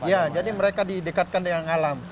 ya jadi mereka didekatkan dengan alam